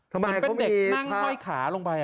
เหมือนเป็นเด็กนั่งห้อยขาลงไป